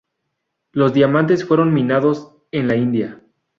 Los diamantes fueron minados en la India.